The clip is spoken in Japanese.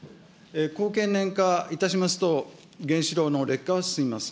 高経年化いたしますと、原子炉の劣化は進みます。